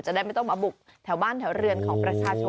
ได้ไม่ต้องมาบุกแถวบ้านแถวเรือนของประชาชน